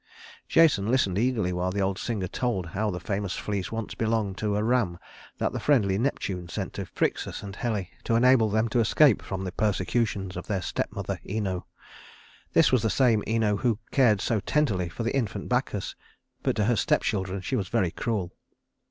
Jason listened eagerly while the old singer told how the famous fleece once belonged to a ram that the friendly Neptune sent to Phryxus and Helle to enable them to escape from the persecutions of their stepmother Ino. This was the same Ino who cared so tenderly for the infant Bacchus; but to her stepchildren she was very cruel.